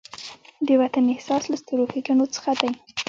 د وطن احساس له سترو ښېګڼو څخه دی.